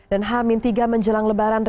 dan hamin tiga menjelang lebaran